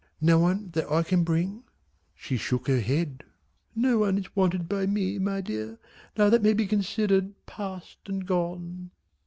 "No one that I can bring?" She shook her head. "No one is wanted by me my dear. Now that may be considered past and gone."